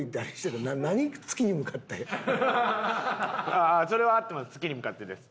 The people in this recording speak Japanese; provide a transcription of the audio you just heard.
ああそれは合ってます月に向かってです。